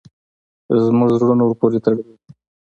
زموږ زړونه ورپورې تړلي دي.